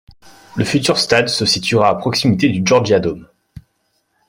Le futur stade se situera à proximité du Georgia Dome.